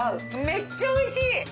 めっちゃおいしい。